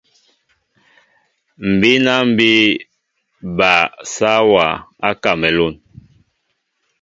M̀ bíná mbí bal sáwā á Kámalûn.